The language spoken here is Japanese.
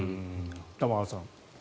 玉川さん。